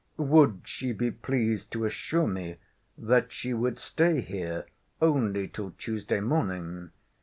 Would she be pleased to assure me that she would stay here only till Tuesday morning?